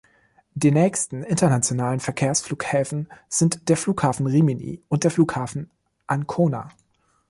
Die nächsten internationalen Verkehrsflughäfen sind der Flughafen Rimini und der Flughafen Ancona.